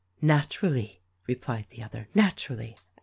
"Naturally !" replied the other. "Naturally